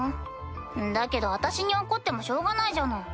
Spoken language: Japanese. だけど私に怒ってもしょうがないじゃない。